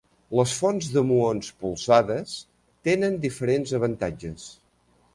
Les fonts de muons polsades tenen diferents avantatges.